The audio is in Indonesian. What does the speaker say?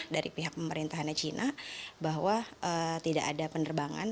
dari pihak pemerintahannya china bahwa tidak ada penerbangan